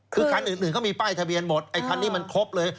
คือคันอื่นเขามีป้ายทะเบียนหมดไอ้คันนี้มันครบเลย